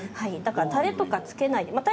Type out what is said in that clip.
だからタレとかつけないで。